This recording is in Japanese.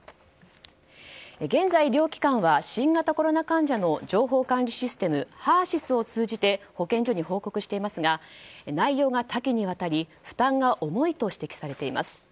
現在、医療機関は新型コロナ患者の情報管理システムＨＥＲ‐ＳＹＳを通じて保健所に報告していますが内容が多岐にわたり負担が重いと指摘されています。